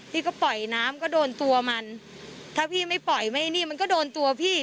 พี่ก็ปล่อยน้ำก็โดนตัวมันถ้าพี่ไม่ปล่อยไม่นี่มันก็โดนตัวพี่